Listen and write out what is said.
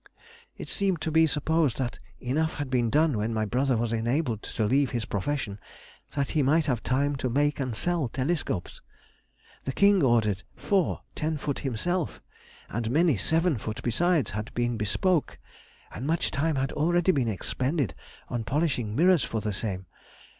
It seemed to be supposed that enough had been done when my brother was enabled to leave his profession that he might have time to make and sell telescopes. The King ordered four ten foot himself, and many seven foot besides had been bespoke, and much time had already been expended on polishing the mirrors for the same.